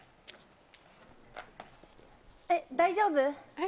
えっ大丈夫？